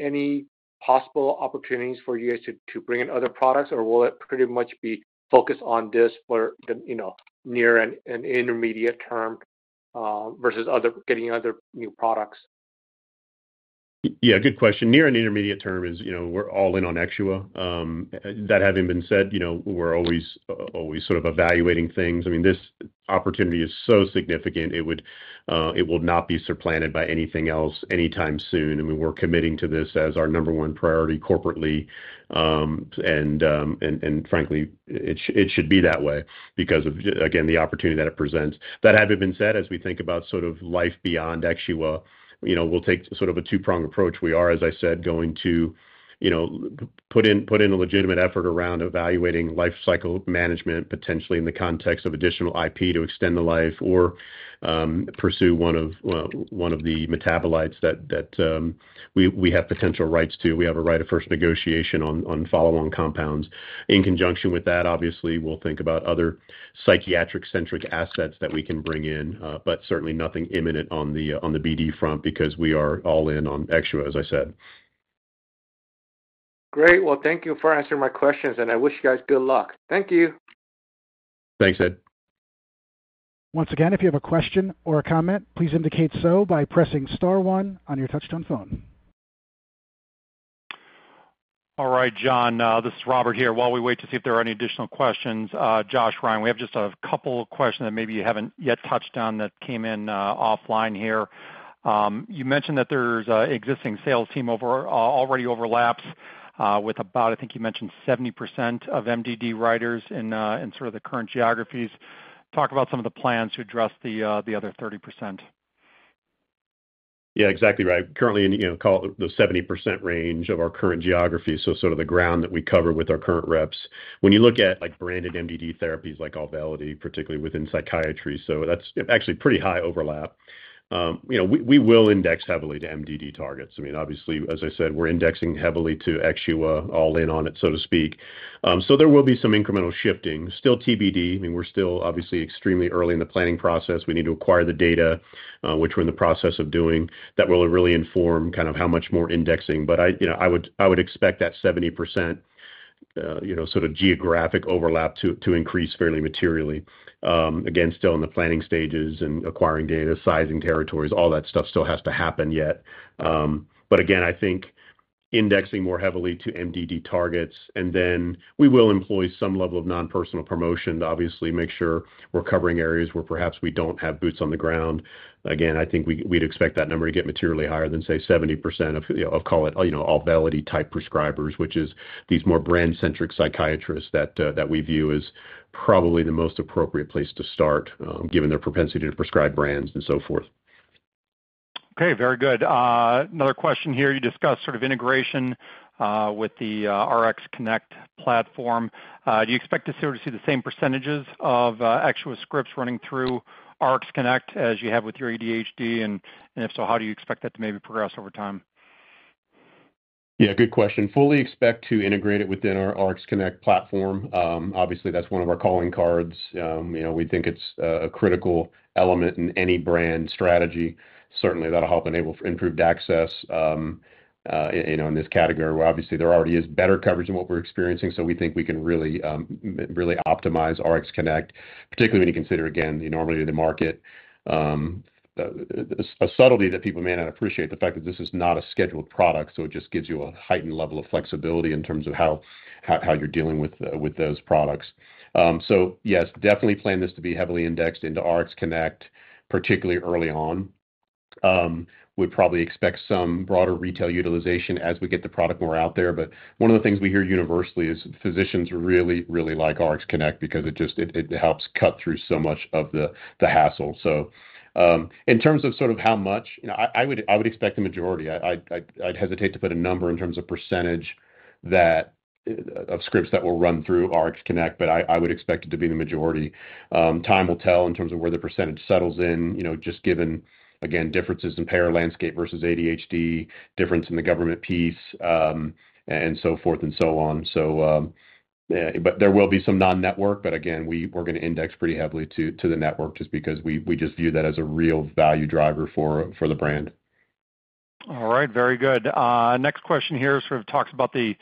any possible opportunities for you guys to bring in other products, or will it pretty much be focused on this for the near and intermediate term versus getting other new products? Yeah. Good question. Near and intermediate term is we're all in on EXXUA. That having been said, we're always sort of evaluating things. I mean, this opportunity is so significant, it will not be supplanted by anything else anytime soon. I mean, we're committing to this as our number one priority corporately. And frankly, it should be that way because of, again, the opportunity that it presents. That having been said, as we think about sort of life beyond EXXUA, we'll take sort of a two-pronged approach. We are, as I said, going to put in a legitimate effort around evaluating life cycle management, potentially in the context of additional IP to extend the life or pursue one of the metabolites that we have potential rights to. We have a right of first negotiation on follow-on compounds. In conjunction with that, obviously, we'll think about other psychiatric-centric assets that we can bring in, but certainly nothing imminent on the BD front because we are all in on EXXUA, as I said. Great. Thank you for answering my questions, and I wish you guys good luck. Thank you. Thanks, Ed. Once again, if you have a question or a comment, please indicate so by pressing star one on your touch-tone phone. All right, John. This is Robert here. While we wait to see if there are any additional questions, Josh, Ryan, we have just a couple of questions that maybe you have not yet touched on that came in offline here. You mentioned that there is an existing sales team already overlaps with about, I think you mentioned, 70% of MDD writers in sort of the current geographies. Talk about some of the plans to address the other 30%. Yeah, exactly right. Currently in the 70% range of our current geography, so sort of the ground that we cover with our current reps. When you look at branded MDD therapies like AUVELITY, particularly within psychiatry, that's actually pretty high overlap. We will index heavily to MDD targets. I mean, obviously, as I said, we're indexing heavily to EXXUA, all in on it, so to speak. There will be some incremental shifting. Still TBD. I mean, we're still obviously extremely early in the planning process. We need to acquire the data, which we're in the process of doing. That will really inform kind of how much more indexing. I would expect that 70% sort of geographic overlap to increase fairly materially. Again, still in the planning stages and acquiring data, sizing territories, all that stuff still has to happen yet. Again, I think indexing more heavily to MDD targets. And then we will employ some level of non-personal promotion to obviously make sure we're covering areas where perhaps we don't have boots on the ground. Again, I think we'd expect that number to get materially higher than, say, 70% of, call it, AUVELITY-type prescribers, which is these more brand-centric psychiatrists that we view as probably the most appropriate place to start, given their propensity to prescribe brands and so forth. Okay. Very good. Another question here. You discussed sort of integration with the RxConnect platform. Do you expect to sort of see the same percentages of EXXUA scripts running through RxConnect as you have with your ADHD? And if so, how do you expect that to maybe progress over time? Yeah. Good question. Fully expect to integrate it within our RxConnect platform. Obviously, that's one of our calling cards. We think it's a critical element in any brand strategy. Certainly, that'll help enable improved access in this category. Obviously, there already is better coverage than what we're experiencing, so we think we can really optimize RxConnect, particularly when you consider, again, the enormity of the market. A subtlety that people may not appreciate, the fact that this is not a scheduled product, so it just gives you a heightened level of flexibility in terms of how you're dealing with those products. Yes, definitely plan this to be heavily indexed into RxConnect, particularly early on. We'd probably expect some broader retail utilization as we get the product more out there. One of the things we hear universally is physicians really, really like RxConnect because it helps cut through so much of the hassle. In terms of sort of how much, I would expect the majority. I'd hesitate to put a number in terms of % of scripts that will run through RxConnect, but I would expect it to be the majority. Time will tell in terms of where the % settles in, just given, again, differences in payer landscape versus ADHD, difference in the government piece, and so forth and so on. There will be some non-network, but again, we're going to index pretty heavily to the network just because we just view that as a real value driver for the brand. All right. Very good. Next question here sort of talks about the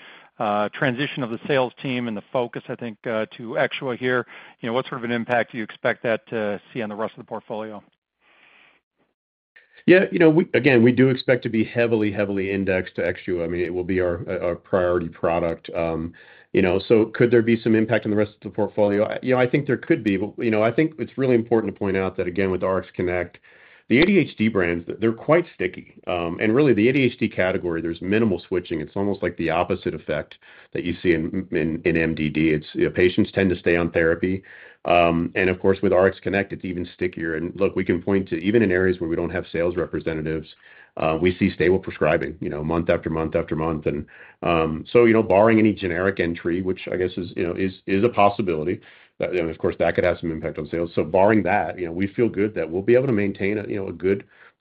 transition of the sales team and the focus, I think, to EXXUA here. What sort of an impact do you expect that to see on the rest of the portfolio? Yeah. Again, we do expect to be heavily, heavily indexed to EXXUA. I mean, it will be our priority product. Could there be some impact on the rest of the portfolio? I think there could be. I think it's really important to point out that, again, with RxConnect, the ADHD brands, they're quite sticky. Really, the ADHD category, there's minimal switching. It's almost like the opposite effect that you see in MDD. Patients tend to stay on therapy. Of course, with RxConnect, it's even stickier. Look, we can point to even in areas where we do not have sales representatives, we see stable prescribing month after month after month. Barring any generic entry, which I guess is a possibility, of course, that could have some impact on sales. Barring that, we feel good that we'll be able to maintain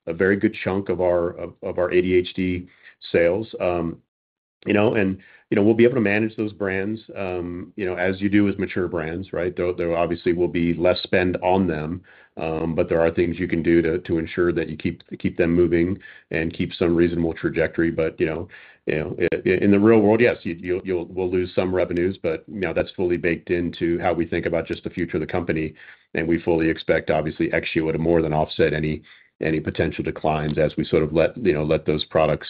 a very good chunk of our ADHD sales. We'll be able to manage those brands as you do with mature brands, right? There obviously will be less spend on them, but there are things you can do to ensure that you keep them moving and keep some reasonable trajectory. In the real world, yes, we'll lose some revenues, but that's fully baked into how we think about just the future of the company. We fully expect, obviously, EXXUA to more than offset any potential declines as we sort of let those products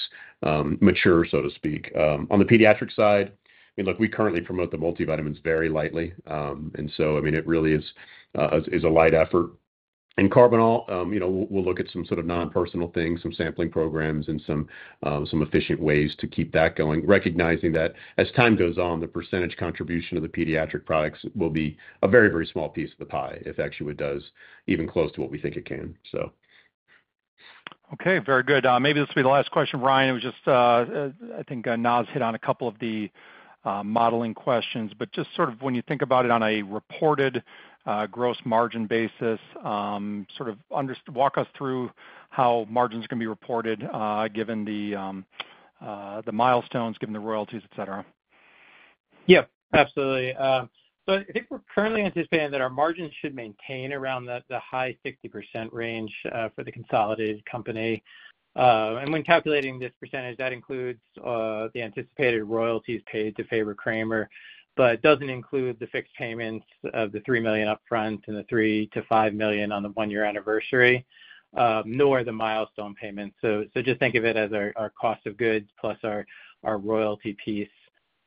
mature, so to speak. On the pediatric side, I mean, look, we currently promote the multivitamins very lightly. I mean, it really is a light effort. We will look at some sort of non-personal things, some sampling programs, and some efficient ways to keep that going, recognizing that as time goes on, the percentage contribution of the pediatric products will be a very, very small piece of the pie if EXXUA does even close to what we think it can. Okay. Very good. Maybe this will be the last question, Ryan. It was just, I think, Naz hit on a couple of the modeling questions. But just sort of when you think about it on a reported gross margin basis, sort of walk us through how margins are going to be reported given the milestones, given the royalties, etc. Yeah. Absolutely. I think we're currently anticipating that our margins should maintain around the high 60% range for the consolidated company. When calculating this percentage, that includes the anticipated royalties paid to Fabre-Kramer, but doesn't include the fixed payments of the $3 million upfront and the $3 million-$5 million on the one-year anniversary, nor the milestone payments. Just think of it as our cost of goods plus our royalty piece.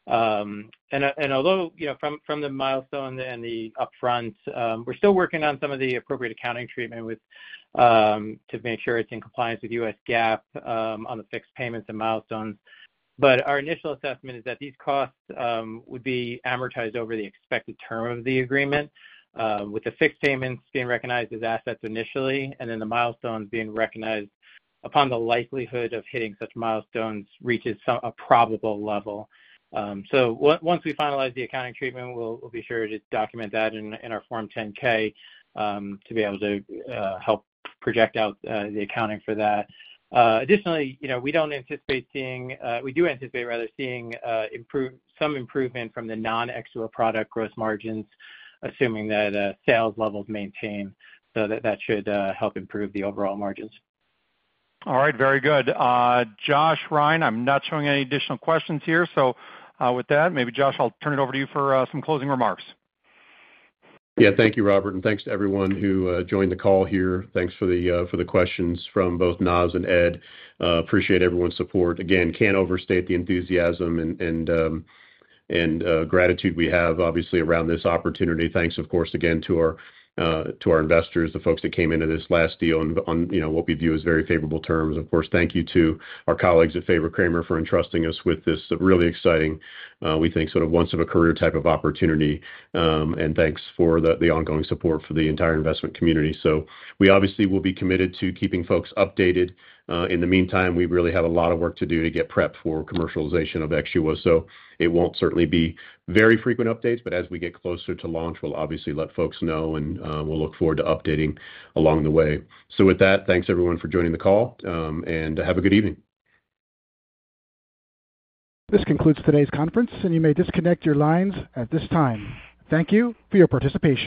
Although from the milestone and the upfront, we're still working on some of the appropriate accounting treatment to make sure it's in compliance with U.S. GAAP on the fixed payments and milestones. Our initial assessment is that these costs would be amortized over the expected term of the agreement, with the fixed payments being recognized as assets initially and then the milestones being recognized upon the likelihood of hitting such milestones reaches a probable level. Once we finalize the accounting treatment, we'll be sure to document that in our Form 10-K to be able to help project out the accounting for that. Additionally, we do anticipate seeing some improvement from the non-EXXUA product gross margins, assuming that sales levels maintain. That should help improve the overall margins. All right. Very good. Josh, Ryan, I'm not showing any additional questions here. With that, maybe, Josh, I'll turn it over to you for some closing remarks. Yeah. Thank you, Robert. And thanks to everyone who joined the call here. Thanks for the questions from both Naz and Ed. Appreciate everyone's support. Again, can't overstate the enthusiasm and gratitude we have, obviously, around this opportunity. Thanks, of course, again, to our investors, the folks that came into this last deal on what we view as very favorable terms. Of course, thank you to our colleagues at Fabre-Kramer for entrusting us with this really exciting, we think, sort of once-in-a-career type of opportunity. Thanks for the ongoing support for the entire investment community. We obviously will be committed to keeping folks updated. In the meantime, we really have a lot of work to do to get prepped for commercialization of EXXUA. It won't certainly be very frequent updates, but as we get closer to launch, we'll obviously let folks know, and we'll look forward to updating along the way. With that, thanks everyone for joining the call, and have a good evening. This concludes today's conference, and you may disconnect your lines at this time. Thank you for your participation.